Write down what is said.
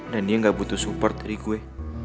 dan dia gak butuh support dari gue